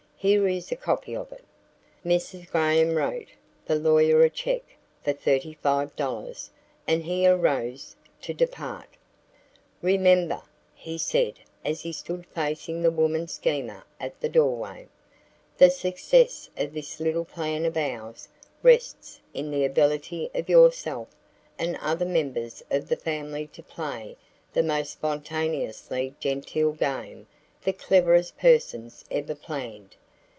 Here is a copy of it." Mrs. Graham wrote the lawyer a check for $35, and he arose to depart. "Remember," he said as he stood facing the woman schemer at the doorway; "the success of this little plan of ours rests in the ability of yourself and other members of the family to play the most spontaneously genteel game the cleverest persons ever planned.